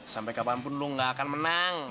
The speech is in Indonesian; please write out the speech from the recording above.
sampai kapanpun lo nggak akan menang